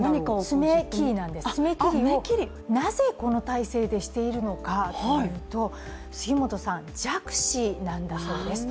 爪切りなんですなぜこの体勢でしているのかというと杉本さん、弱視なんだそうです。